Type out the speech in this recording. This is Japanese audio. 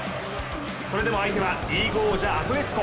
それでも相手はリーグ王者アトレチコ。